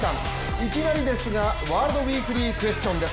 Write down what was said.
いきなりですがワールドウィークリークエスチョンです。